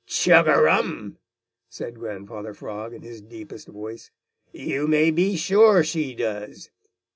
"Chug a rum!" said Grandfather Frog in his deepest voice. "You may be sure she does.